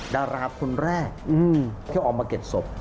ดาราคนแรกที่ออกมาเก็บศพ